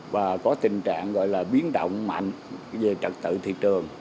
và có tình trạng gọi là biến động mạnh về trật tự thị trường